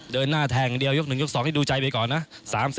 เดินหน้าแทงเดียวยก๑ยก๒ให้ดูใจไปก่อนนะ